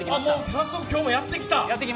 早速今日、もうやってきた？